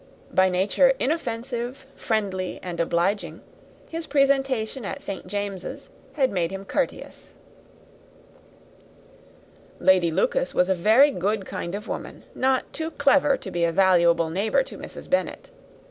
By nature inoffensive, friendly, and obliging, his presentation at St. James's had made him courteous. Lady Lucas was a very good kind of woman, not too clever to be a valuable neighbour to Mrs. Bennet.